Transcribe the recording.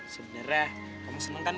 sebenernya kamu seneng kan